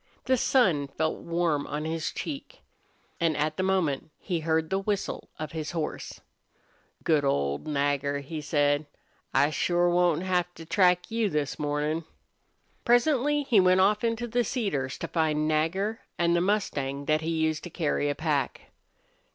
The sun felt warm on his cheek. And at the moment he heard the whistle of his horse. "Good old Nagger!" he said. "I shore won't have to track you this mornin'." Presently he went off into the cedars to find Nagger and the mustang that he used to carry a pack.